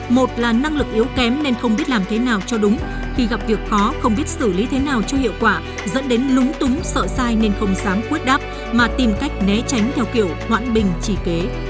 một là năng lực yếu kém nên không biết làm thế nào cho đúng khi gặp việc khó không biết xử lý thế nào cho hiệu quả dẫn đến lúng túng sợ sai nên không dám quyết đáp mà tìm cách né tránh theo kiểu hoãn bình chỉ kế